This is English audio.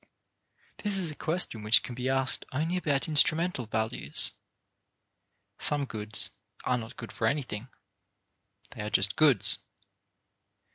This is a question which can be asked only about instrumental values. Some goods are not good for anything; they are just goods.